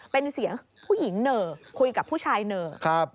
เป็นเสียงผู้หญิงเนอร์คุยกับผู้ชายเนอร์